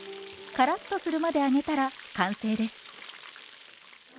カラッとするまで揚げたら完成です。